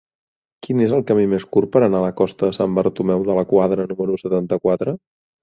Quin és el camí més curt per anar a la costa de Sant Bartomeu de la Quadra número setanta-quatre?